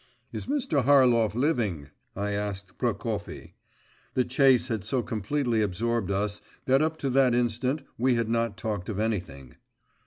'Is Mr. Harlov living?' I asked Prokofy. The chase had so completely absorbed us, that up to that instant we had not talked of anything.